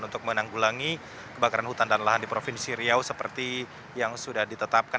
untuk menanggulangi kebakaran hutan dan lahan di provinsi riau seperti yang sudah ditetapkan